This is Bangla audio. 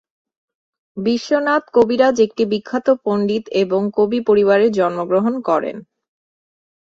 বিশ্বনাথ কবিরাজ একটি বিখ্যাত পণ্ডিত এবং কবি পরিবারে জন্মগ্রহণ করেন।